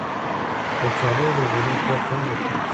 کچالو له غوړو پرته هم پخېږي